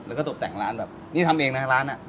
แล้วก็ตกแต่งร้านแบบนี้ทำเองนะร้านอ่ะ